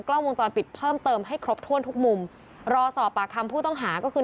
กล้องวงจรปิดเพิ่มเติมให้ครบถ้วนทุกมุมรอสอบปากคำผู้ต้องหาก็คือ